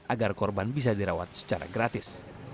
agar korban bisa dirawat secara gratis